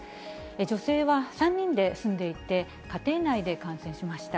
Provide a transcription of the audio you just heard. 女性は３人で住んでいて、家庭内で感染しました。